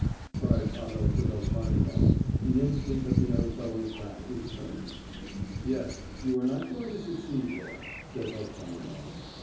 cried Pavel to Velchaninoff, the instant that the young fellow's back was turned. "Yes; you are not going to succeed there," said Velchaninoff.